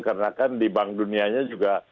karena kan di bank dunianya juga